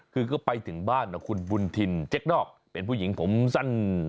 คือก็ไปถึงบ้านคุณบุญทินเจ๊กนอกเป็นผู้หญิงผมสั้น